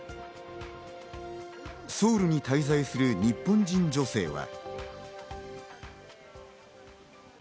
ソウルに滞在する日本人女性は。